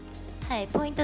ポイント